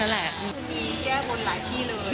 ก็มีแย่บุญหลายที่